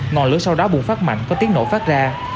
ngọn lửa sau đó bùng phát mạnh có tiếng nổ phát ra